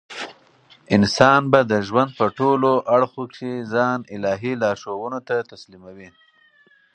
انسان به د ژوند په ټولو اړخو کښي ځان الهي لارښوونو ته تسلیموي.